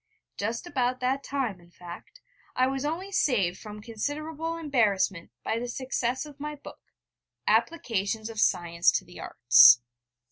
Just about that time, in fact, I was only saved from considerable embarrassment by the success of my book, 'Applications of Science to the Arts.'